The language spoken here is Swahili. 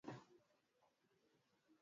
Mupini ya jembe yangu ina vunjika leo